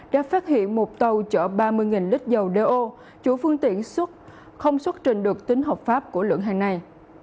đã phát hiện một tàu chở ba mươi lít dầu đeo chủ phương tiện không xuất trình được tính hợp pháp của lượng hàng này